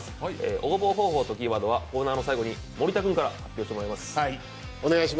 応募方法とキーワードはコーナーの最後に森田君から発表してもらいます。